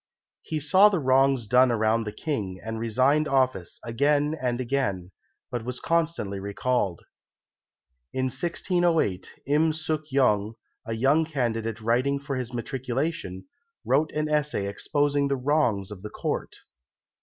He saw the wrongs done around the King, and resigned office again and again, but was constantly recalled. In 1608 Im Suk yong, a young candidate writing for his matriculation, wrote an essay exposing the wrongs of the Court.